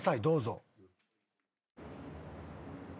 どうぞ。